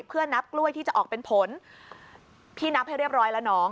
เพื่อนับกล้วยที่จะออกเป็นผลพี่นับให้เรียบร้อยแล้วน้อง